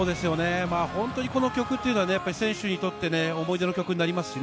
本当にこの曲っていうのは選手にとって思い出の曲になります。